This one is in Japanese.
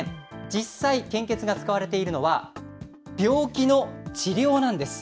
実際、献血が使われているのは、病気の治療なんです。